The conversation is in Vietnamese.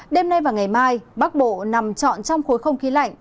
đêm nay và ngày mai bắc bộ nằm trọn trong khối không khí lạnh